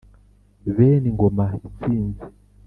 bene ingoma itsinze